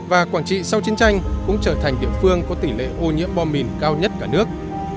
và quảng trị sau chiến tranh cũng trở thành địa phương có tỷ lệ ô nhiễm bom mìn cao nhất cả nước